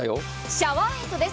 シャワーヘッドです。